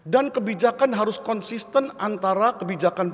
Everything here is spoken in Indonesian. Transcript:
dan kebijakan harus konsisten antara kebijakan pemerintah